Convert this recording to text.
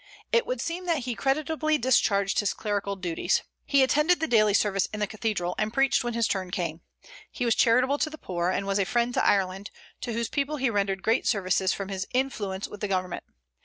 It would seem that he creditably discharged his clerical duties. He attended the daily service in the cathedral, and preached when his turn came. He was charitable to the poor, and was a friend to Ireland, to whose people he rendered great services from his influence with the Government.